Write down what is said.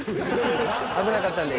［危なかったんで］